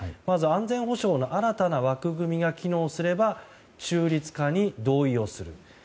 まず安全保障の新たな枠組みが機能すれば中立化に同意をする。